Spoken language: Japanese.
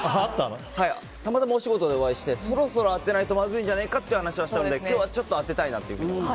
たまたまお仕事でお会いしてそろそろ当てないとまずいんじゃないかという話をしたので今日はちょっと当てたいなと。